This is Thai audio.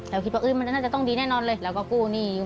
เราคิดว่ามันน่าจะต้องดีแน่นอนเลย